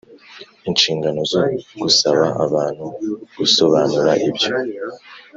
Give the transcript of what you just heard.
inshingano zo gusaba abantu gusobanura ibyo